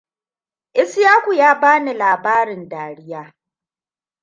Ishaku ya bani labarin dariya.